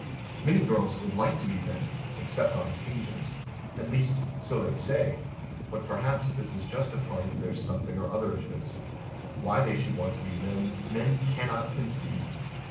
Many girls would like to be men except on occasions. At least so they say, but perhaps this is just a part of their something or otherishness. Why they should want to be men, men cannot conceive.